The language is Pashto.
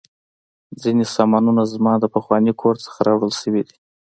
ځینې سامانونه زما د پخواني کور څخه راوړل شوي دي